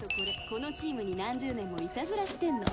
このチームに何十年もいたずらしてんの」